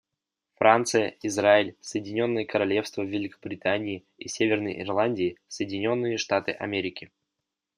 Франция, Израиль, Соединенное Королевство Великобритании и Северной Ирландии, Соединенные Штаты Америки.